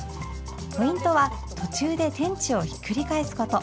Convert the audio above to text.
ポイントは途中で天地をひっくり返すこと。